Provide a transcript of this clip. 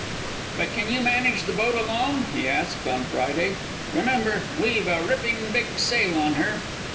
"But can you manage the boat alone?" he asked, on Friday. "Remember, we've a ripping big sail on her."